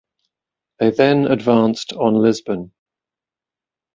They then advanced on Lisbon.